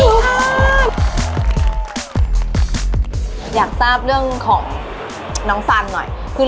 มีขอเสนออยากให้แม่หน่อยอ่อนสิทธิ์การเลี้ยงดู